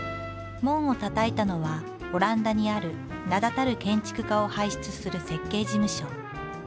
門をたたいたのはオランダにある名だたる建築家を輩出する設計事務所。